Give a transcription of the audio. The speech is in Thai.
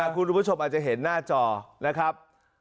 คุณผู้ชมอาจจะเห็นหน้าจอนะครับ